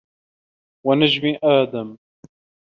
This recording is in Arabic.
وَنَجْمِ آدَمَ